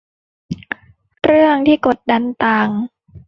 เรื่องที่กดดันต่าง